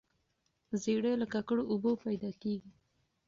زیړی له ککړو اوبو پیدا کیږي.